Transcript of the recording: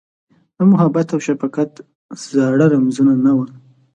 د محبت اوشفقت زاړه رمزونه، نه وه